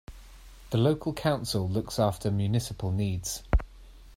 The local council looks after municipal needs.